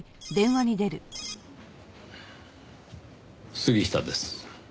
杉下です。